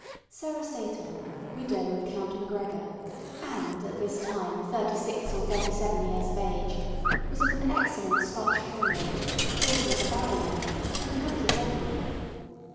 Sarah Seyton, widow of Count Macgregor, and at this time thirty six or thirty seven years of age, was of an excellent Scotch family, daughter of a baronet, and a country gentleman.